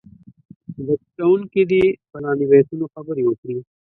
زده کوونکي دې په لاندې بیتونو خبرې وکړي.